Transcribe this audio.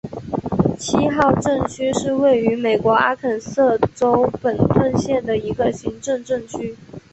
七号镇区是位于美国阿肯色州本顿县的一个行政镇区。